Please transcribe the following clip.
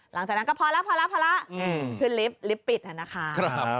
หลังจากนั้นก็พอแล้วพอแล้วพอแล้วขึ้นลิฟต์ลิฟต์ปิดนะคะ